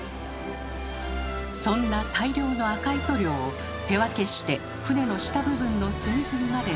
そんな大量の赤い塗料を手分けして船の下部分の隅々まで塗っていきます。